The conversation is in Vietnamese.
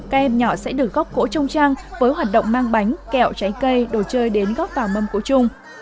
các em nhỏ sẽ được góp cỗ trong trang với hoạt động mang bánh kẹo trái cây đồ chơi đến góp vào mâm cỗ chung